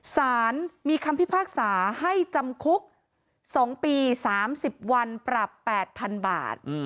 สารมีคำพิพากษาให้จำคุก๒ปี๓๐วันปรับ๘๐๐๐บาท